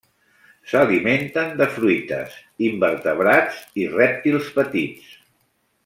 S'alimenten de fruites, invertebrats i rèptils petits.